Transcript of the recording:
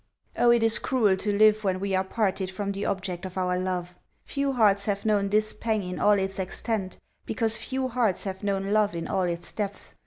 Oh, it is cruel to live when we are parted from the object of our love ! Few hearts have known this pang in all its extent, because few hearts have known love in all its depth.